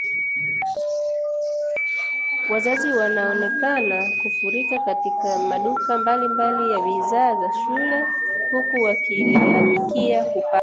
Wazazi wameonekana kufurika katika maduka mbalimbali ya bidhaa za shule huku wakilalamikia kupanda